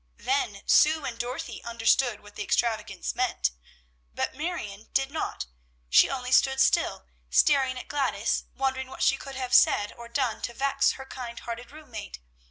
Then Sue and Dorothy understood what the extravagance meant, but Marion did not; she only stood still, staring at Gladys, wondering what she could have said or done to vex her kind hearted room mate.